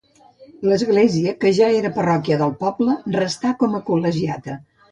L'església, que ja era parròquia del poble, restà com a col·legiata.